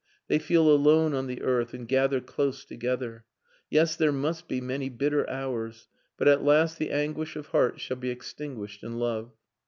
They feel alone on the earth and gather close together. Yes, there must be many bitter hours! But at last the anguish of hearts shall be extinguished in love."